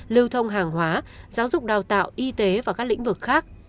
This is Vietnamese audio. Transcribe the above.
lưu thông hàng hóa giáo dục đào tạo y tế và các lĩnh vực khác